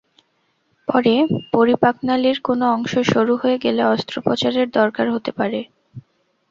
তবে পরিপাকনালির কোনো অংশ সরু হয়ে গেলে অস্ত্রোপচারের দরকার হতে পারে।